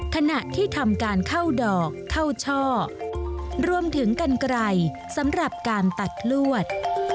ขณะที่ทำการเข้าดอกเข้าช่อรวมถึงกันไกลสำหรับการตัดลวด